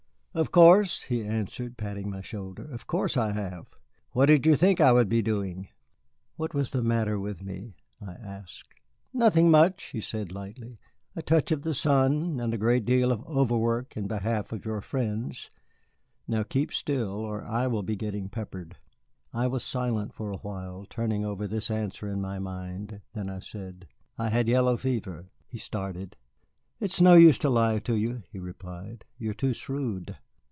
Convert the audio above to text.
"Of course," he answered, patting my shoulder. "Of course I have. What did you think I would be doing?" "What was the matter with me?" I asked. "Nothing much," he said lightly, "a touch of the sun, and a great deal of overwork in behalf of your friends. Now keep still, or I will be getting peppered." I was silent for a while, turning over this answer in my mind. Then I said: "I had yellow fever." He started. "It is no use to lie to you," he replied; "you're too shrewd."